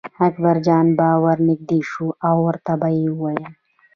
اکبرجان به ور نږدې شو او ورته به یې ویل.